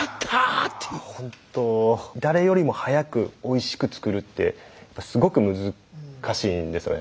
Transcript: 誰よりも早くおいしく作るってすごく難しいんですよね。